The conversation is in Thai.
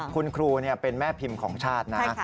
คุณครูเป็นแม่พิมพ์ของชาตินะ